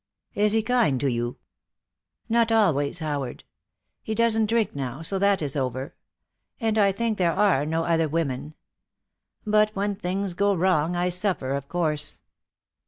"Is he kind to you?" "Not always, Howard. He doesn't drink now, so that is over. And I think there are no other women. But when things go wrong I suffer, of course."